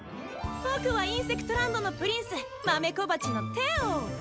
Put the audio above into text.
ぼくはインセクトランドのプリンスマメコバチのテオ。